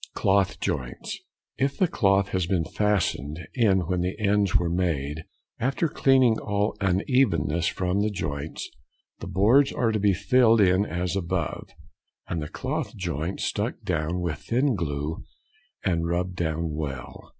Cloth Joints.—If the cloth has been fastened in when the ends were made, after cleaning all unevenness from the joints, the boards are to be filled in as above, and the cloth joint stuck down with thin glue, and rubbed down well.